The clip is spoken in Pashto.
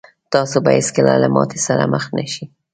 تاسو به هېڅکله له ماتې سره مخ نه شئ.